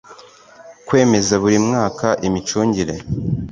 Kwemeza buri mwaka imicungire